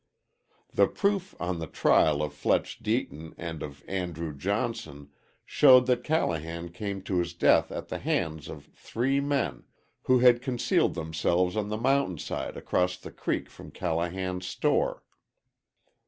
The proof on the trial of Fletch Deaton and of Andrew Johnson showed that Callahan came to his death at the hands of three men, who had concealed themselves on the mountainside across the creek from Callahan's store.